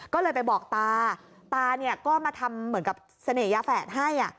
ก็เลยไปบอกตาตาเนี่ยก็มาทำเหมือนกับเสน่หยาแฝดให้